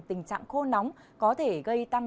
tình trạng khô nóng có thể gây tăng